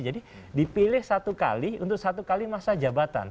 jadi dipilih satu kali untuk satu kali masa jabatan